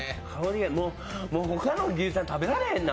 もう、他の牛タン、食べられへんな。